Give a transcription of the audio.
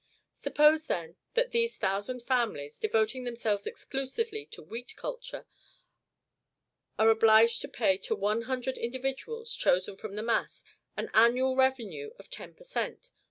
Suppose, then, that these thousand families, devoting themselves exclusively to wheat culture, are obliged to pay to one hundred individuals, chosen from the mass, an annual revenue of ten per cent.